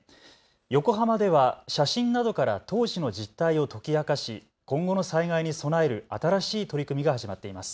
横浜では写真などから当時の実態を解き明かし今後の災害に備える新しい取り組みが始まっています。